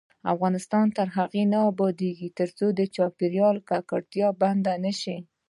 افغانستان تر هغو نه ابادیږي، ترڅو د چاپیریال ککړتیا بنده نشي.